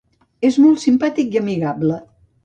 És molt simpàtic i amigable.